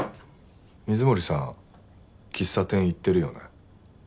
水森さん喫茶店行ってるよね。